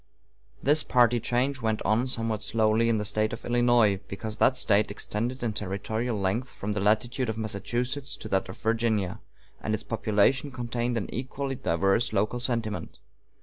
This party change went on somewhat slowly in the State of Illinois, because that State extended in territorial length from the latitude of Massachusetts to that of Virginia, and its population contained an equally diverse local sentiment.